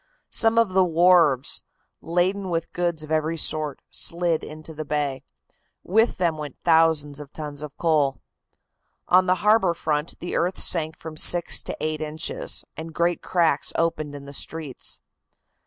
Some of the wharves, laden with goods of every sort, slid into the bay. With them went thousands of tons of coal. On the harbor front the earth sank from six to eight inches, and great cracks opened in the streets.